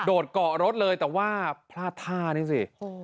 เกาะรถเลยแต่ว่าพลาดท่านี่สิ